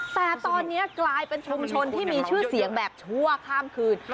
แต่ตอนนี้กลายเป็นชุมชนที่มีชื่อเสียงแบบชั่วข้ามคืน